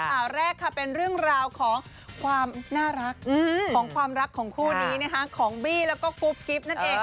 ข่าวแรกค่ะเป็นเรื่องราวของความน่ารักของความรักของคู่นี้นะคะของบี้แล้วก็กุ๊บกิ๊บนั่นเอง